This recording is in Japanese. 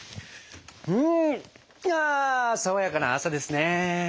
うんあ爽やかな朝ですね。